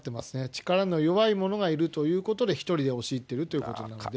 力の弱い者がいるということで１人で押し入っているということになるので。